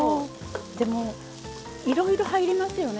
でもいろいろ入りますよね